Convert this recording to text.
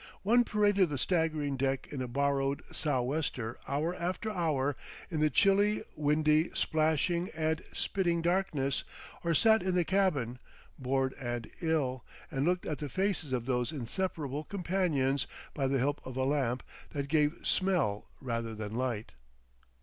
One paraded the staggering deck in a borrowed sou' wester hour after hour in the chilly, windy, splashing and spitting darkness, or sat in the cabin, bored and ill, and looked at the faces of those inseparable companions by the help of a lamp that gave smell rather than light.